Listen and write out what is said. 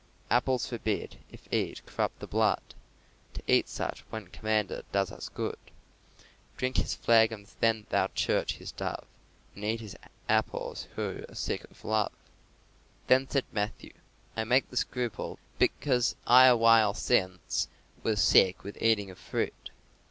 Apples forbid, if eat, corrupt the blood. To eat such, when commanded, does us good. Drink of His flagons then, thou Church, His Dove, And eat His apples who are sick of love." Then said Matthew, "I make the scruple because I awhile since was sick with eating of fruit."